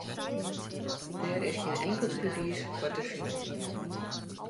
Dêr is gjin inkeld bewiis foar te finen.